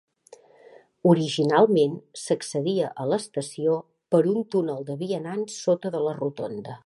Originalment s'accedia a l'estació per un túnel de vianants sota de la rotonda.